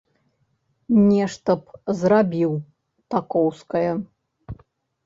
Нешта б зрабіў такоўскае.